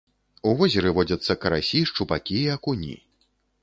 У возеры водзяцца карасі, шчупакі і акуні.